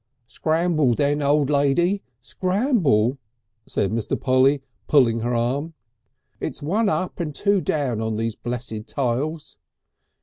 "Scramble, old lady, then scramble!" said Mr. Polly, pulling her arm. "It's one up and two down on these blessed tiles."